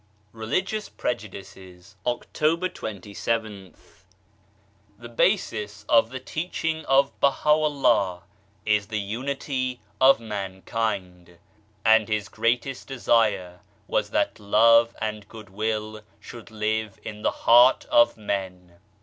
40 RELIGIOUS PREJUDICES RELIGIOUS PREJUDICES October 2jth. TPHE basis of the teaching of Baha Vllah is the Unity A of Mankind, and his greatest desire was that love and goodwill should live in the heart of men.